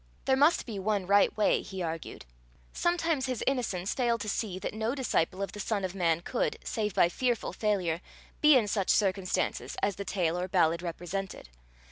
There must be one right way, he argued. Sometimes his innocence failed to see that no disciple of the Son of Man could, save by fearful failure, be in such circumstances as the tale or ballad represented.